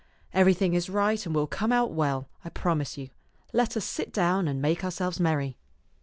Everything is right and will come out well, I promise you. Let us sit down and make ourselves merry."